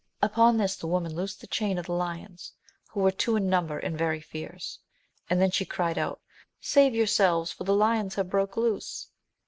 Upon this the woman loosed the chain of the lions, who were two in number and very fierce, and then she cried out, save yourselves, for the lions have broke loose